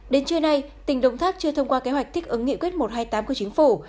đến trưa nay tỉnh đồng tháp chưa thông qua kế hoạch thích ứng nghị quyết một trăm hai mươi tám của chính phủ